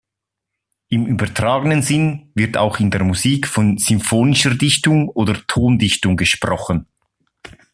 Im übertragenen Sinn wird auch in der Musik von symphonischer Dichtung oder Tondichtung gesprochen.